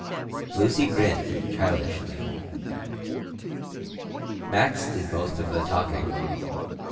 Lucy grinned childishly Max did most of the talking.